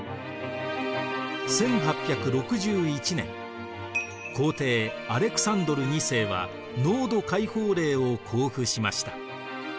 １８６１年皇帝アレクサンドル２世は農奴解放令を公布しました。